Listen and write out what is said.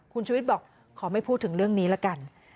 คุณชุวิตบอกขอไม่พูดถึงเรื่องนี้ละกัน